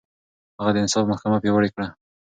هغه د انصاف محکمه پياوړې کړه.